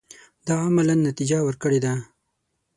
دا عملاً نتیجه ورکړې ده.